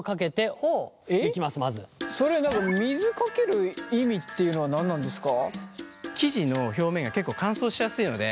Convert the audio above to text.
それ何か水かける意味っていうのは何なんですか？